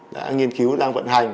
đã nghiên cứu đang vận hành